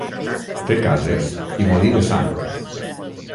Té cases i molí de sang.